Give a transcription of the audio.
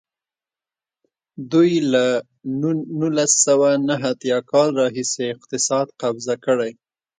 دوی له نولس سوه نهه اتیا کال راهیسې اقتصاد قبضه کړی.